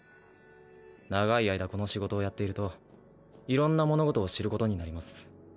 長い間この仕事をやっているといろんな物事を知ることになります。